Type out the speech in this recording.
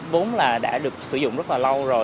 bốn là đã được sử dụng rất là lâu rồi